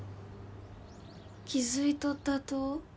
気づいとったと？